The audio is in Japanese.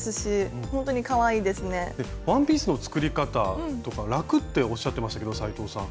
ワンピースの作り方とか楽っておっしゃってましたけど斉藤さん。